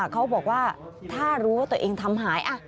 เขาบอกว่าถ้ารู้ว่าตัวเองทำหาย